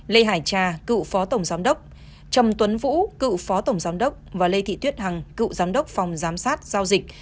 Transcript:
lê hải trà cựu phó tổng giám đốc trầm tuấn vũ cựu phó tổng giám đốc và lê thị tuyết hằng cựu giám đốc phòng giám sát giao dịch